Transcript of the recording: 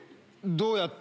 「どうやって？」